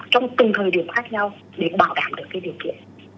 trong từng thời điểm khác nhau để bảo đảm được cái điều kiện